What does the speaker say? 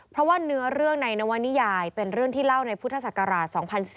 เพราะว่าเนื้อเรื่องในนวนิยายเป็นเรื่องที่เล่าในพุทธศักราช๒๔